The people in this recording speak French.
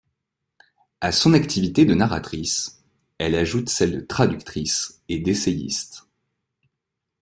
À son activité de narratrice, elle ajoute celles de traductrice et d'essayiste.